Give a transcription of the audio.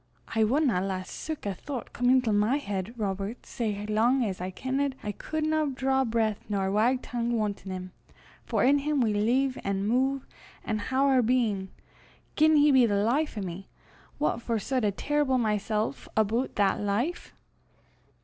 "I wadna lat sic a thoucht come intil my heid, Robert, sae lang as I kenned I cudna draw breath nor wag tongue wantin' him, for in him we leeve an' muv an' hae oor bein'. Gien he be the life o' me, what for sud I trible mysel' aboot that life?"